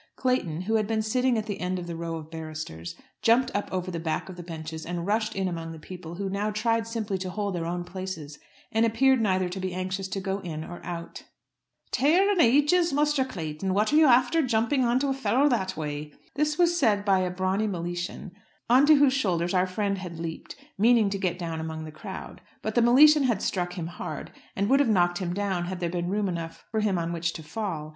Clayton, who had been sitting at the end of the row of barristers, jumped up over the back of the bench and rushed in among the people, who now tried simply to hold their own places, and appeared neither to be anxious to go in or out. "Tear an' ages, Musther Clayton, what are you after jumping on to a fellow that way." This was said by a brawny Miletian, on to whose shoulders our friend had leaped, meaning to get down among the crowd. But the Miletian had struck him hard, and would have knocked him down had there been room enough for him on which to fall.